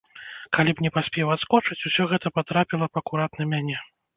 Калі б не паспеў адскочыць, усё гэта патрапіла б акурат на мяне!